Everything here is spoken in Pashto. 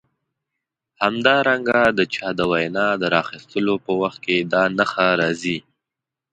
همدارنګه د چا د وینا د راخیستلو په وخت کې دا نښه راځي.